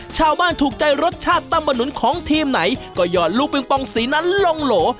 ชาวบ้านถูกใจรสชาติตำบะหนุนของทีมไหนก็หยอดลูกปิงปองสีนั้นลงโหล